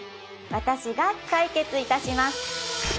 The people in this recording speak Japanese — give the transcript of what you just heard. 私が解決いたします